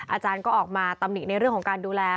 อาจารย์ก็ออกมาตำหนิในเรื่องของการดูแล